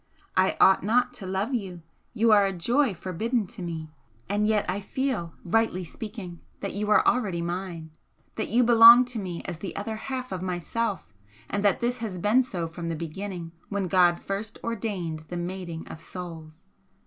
I ought not to love you, you are a joy forbidden to me and yet I feel, rightly speaking, that you are already mine that you belong to me as the other half of myself, and that this has been so from the beginning when God first ordained the mating of souls.